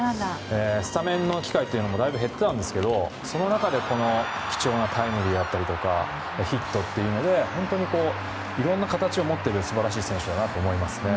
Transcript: スタメンの機会もだいぶ減ってたんですけどその中で貴重なタイムリーだったりとかヒットというので本当にいろんな形を持っている素晴らしい選手だなと思いますね。